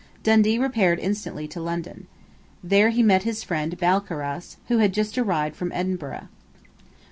Dundee repaired instantly to London, There he met his friend Balcarras, who had just arrived from Edinburgh.